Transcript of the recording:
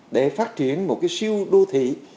để phát triển một cái siêu đô thị